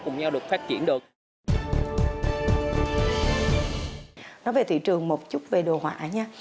nói về thị trường một chút về đồ họa nha